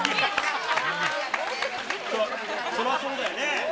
そりゃそうだよね。